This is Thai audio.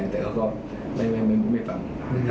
แต่เขาก็ไม่ฟัง